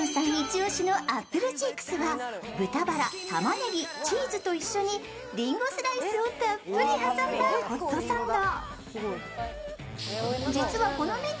一押しのアップルチークスは豚バラ、たまねぎ、チーズと一緒にりんごスライスをたっぷり挟んだホットサンド。